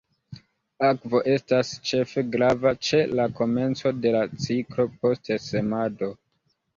Akvo estas ĉefe grava ĉe la komenco de la ciklo, post semado.